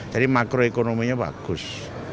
jadi makroekonominya bagus